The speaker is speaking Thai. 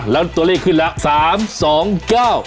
แล้วตัวเลขขึ้นแล้ว๓๒๙